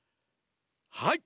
はい。